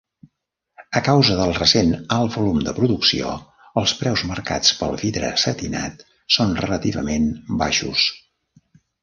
A causa del recent alt volum de producció, els preus marcats pel vidre setinat són relativament baixos.